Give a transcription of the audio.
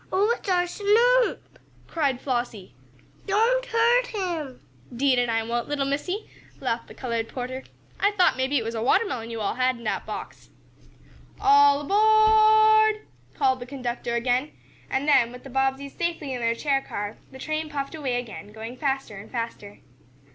"Oh, it's our Snoop!" cried Flossie. "Don't hurt him!" "'Deed an' I won't, little Missie!" laughed the colored porter. "I thought maybe it was a watermelon yo' all had in dat box." "All aboard!" called the conductor again, and then, with the Bobbseys safely in their chair car, the train puffed away again, going faster and faster.